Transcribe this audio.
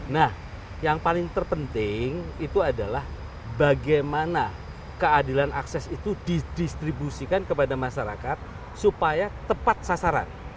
nah yang paling terpenting itu adalah bagaimana keadilan akses itu didistribusikan kepada masyarakat supaya tepat sasaran